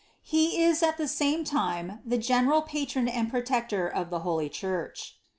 He is at the same time the general patron and protector of the holy Church.